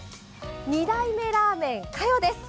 二代目ラーメンカヨです。